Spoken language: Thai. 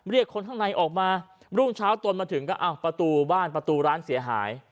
เรียกคนข้างในออกมารุ่งเช้าตนมาถึงก็อ้าวประตูบ้านประตูร้านเสียหาย